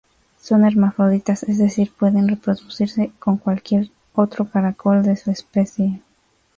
Son Hermafroditas, es decir, pueden reproducirse con cualquier otro caracol de su especie.